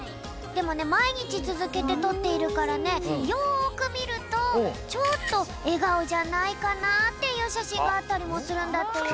でもねまいにちつづけてとっているからねよく見るとちょっとえがおじゃないかなっていう写真があったりもするんだってよ。